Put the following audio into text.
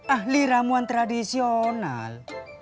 ahli ramuan tradisional